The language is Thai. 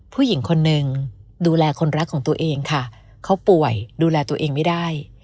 ผู้หญิงคนนึงดูแลคนรักของตัวเองค่ะเขาป่วยดูแลตัวเองไม่ได้